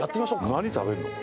何食べるの？